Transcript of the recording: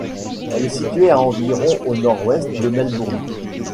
Elle est située à environ au nord-ouest de Melbourne.